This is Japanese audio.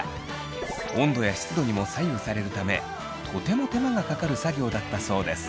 温度や湿度にも左右されるためとても手間がかかる作業だったそうです。